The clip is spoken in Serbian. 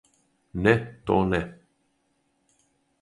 Не, то не!